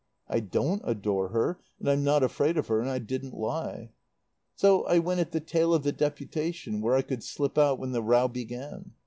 I don't adore her, and I'm not afraid of her, and I didn't lie. "So I went at the tail of the deputation where I could slip out when the row began.